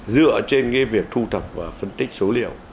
dựa trên việc thu thập và phân tích số liệu